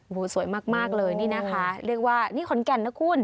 โอ้โหสวยมากเลยนี่นะคะเรียกว่านี่ขอนแก่นนะคุณ